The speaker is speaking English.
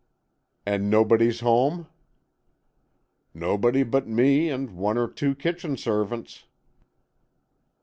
"And nobody's home?" "Nobody but me and one or two kitchen servants."